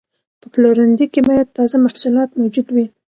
په پلورنځي کې باید تازه محصولات موجود وي.